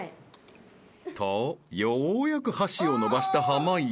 ［とようやく箸を伸ばした濱家］